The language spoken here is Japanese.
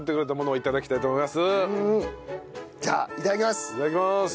いただきます。